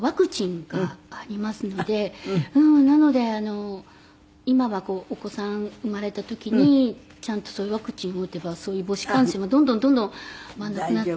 なので今はお子さん生まれた時にちゃんとワクチンを打てばそういう母子感染もどんどんどんどんなくなって。